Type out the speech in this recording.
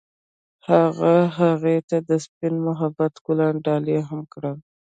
هغه هغې ته د سپین محبت ګلان ډالۍ هم کړل.